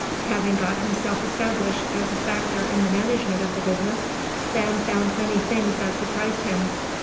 Having got himself established as a factor in the management of the business, Sam found many things that surprised him.